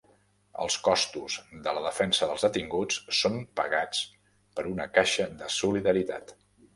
Els costos de la defensa dels detinguts són pagats per una caixa de solidaritat